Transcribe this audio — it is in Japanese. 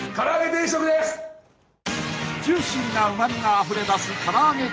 ［ジューシーなうまみがあふれ出す］